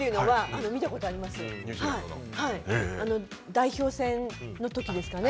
代表戦の時ですかね。